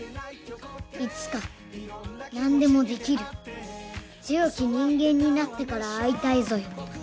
「いつかなんでもできるつよきにんげんになってからあいたいぞよ」